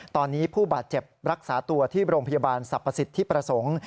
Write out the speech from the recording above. ตอนนี้ผู้บาดเจ็บรักษาตัวที่โรงพยาบาลสรรพสิทธิประสงค์